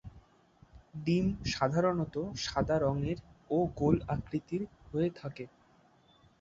ডিম সাধারনত সাদা রঙের ও গোল আকৃতির হয়ে থাকে।